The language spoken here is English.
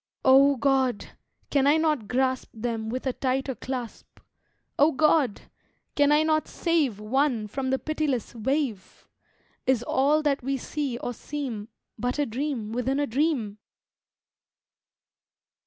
O God! can I not grasp Them with a tighter clasp? O God! can I not save One from the pitiless wave? Is all that we see or seem But a dream within a dream?